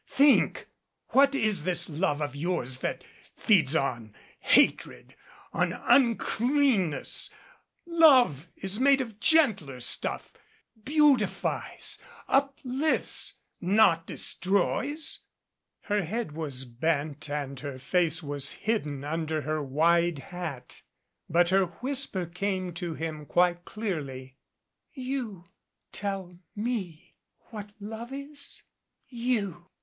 Think! What is this love of yours that feeds on hatred on uncleanness ? Love is made of gentler stuff beautifies, uplifts not de stroys." Her head was bent and her face was hidden under her wide hat, but her whisper came to him quite clearly. "You tell me what love is? You!"